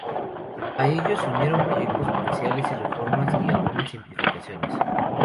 A ellos se unieron proyectos parciales y reformas y algunas simplificaciones.